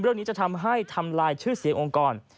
เรื่องนี้จะทำให้ทำลายชื่อเสียงองค์กร